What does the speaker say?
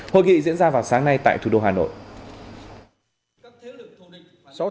hội nghị diễn ra vào sáng nay tại thủ đô hà nội